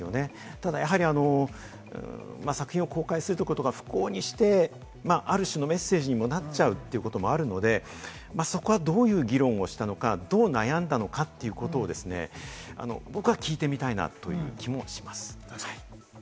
ただやはり、作品を公開するということが不幸にして、ある種のメッセージにもなっちゃうということもあるので、そこはどういう議論をしたのかどう悩んだのかということを僕は聞いてみたいなという気もします。